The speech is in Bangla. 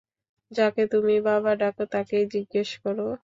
যাকে তুমি বাবা ডাকো, তাকেই জিজ্ঞেস করো।